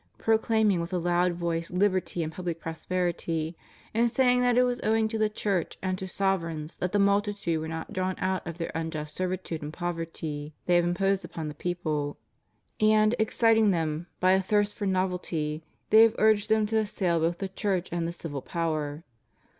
Proclaiming with a loud voice Hberty and public prosperity, and saying that it was owing to the Church and to sovereigns that the multitude were not drawn out of their unjust servitude and poverty, they have imposed upon the people; and, exciting them by a thirst for novelty, they have urged them to assail both the Church and the civil power.